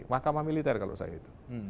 mahkamah militer kalau saya itu